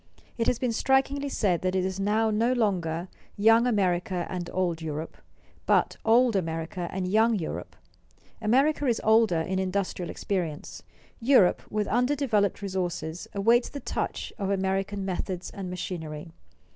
It has been strikingly said that it is now no longer "young America and old Europe," but "old America and young Europe." America is older in industrial experience; Europe, with undeveloped resources, awaits the touch of American methods and machinery.